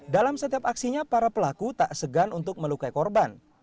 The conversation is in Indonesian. dalam setiap aksinya para pelaku tak segan untuk melukai korban